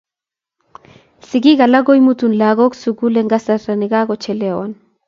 sikiik alak koimutuk lagok sukul eng kasarta ne kakochelewan.